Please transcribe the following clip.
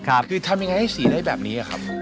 คือทำยังไงให้สีได้แบบนี้ครับ